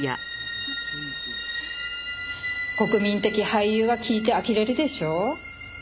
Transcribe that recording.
国民的俳優が聞いてあきれるでしょ？